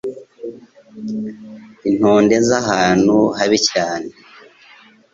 intonde z'ahantu habi cyane